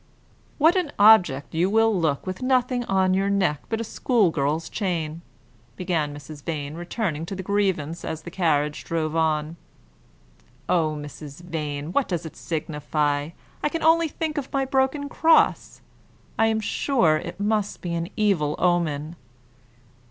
"What an object you will look, with nothing on your neck but a schoolgirl's chain!" began Mrs. Vane, returning to the grievance as the carriage drove on. "Oh, Mrs. Vane, what does it signify? I can only think of my broken cross. I am sure it must be an evil omen."